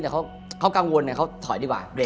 แบบแบบเขากังวลเนี่ยเข้าถอยดีกว่า